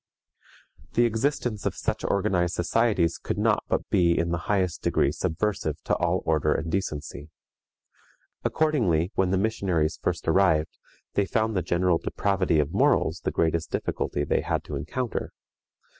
The existence of such organized societies could not but be in the highest degree subversive to all order and decency. Accordingly, when the missionaries first arrived, they found the general depravity of morals the greatest difficulty they had to encounter.